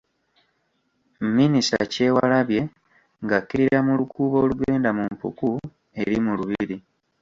Minisita Kyewalabye ng’akkirira mu lukuubo olugenda mu mpuku eri mu Lubiri.